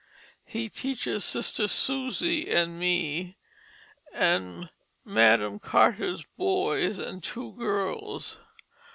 He teaches Sister Susie and me and Madam Carter's boy and two girls.